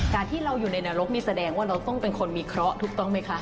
การที่เราอยู่ในนรกนี่แสดงว่าเราต้องเป็นคนมีเคราะห์ถูกต้องไหมคะ